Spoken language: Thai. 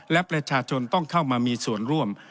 และประชาชนต้องเข้ามามีส่วนร่วม